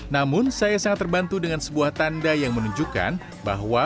namun saya sangat terbantu dengan sebuah tanda yang menunjukkan bahwa